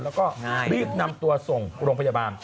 แล้วก็รีบนำตัวส่งโรงพยาบาล